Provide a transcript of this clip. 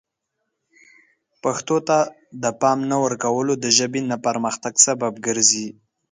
پښتو ته د پام نه ورکول د ژبې نه پرمختګ سبب ګرځي.